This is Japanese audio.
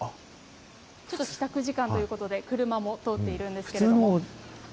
ちょっと帰宅時間ということで、車も通っているんですけど。